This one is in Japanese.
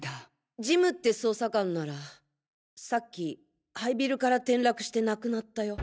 ジムって捜査官ならさっき廃ビルから転落して亡くなったよ。